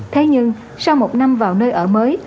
thế nhưng sau một năm vào nơi ở mới